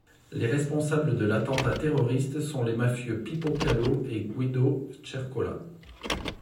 Les responsables de l'attentat terroriste sont les mafieux Pippo Calò et Guido Cercola.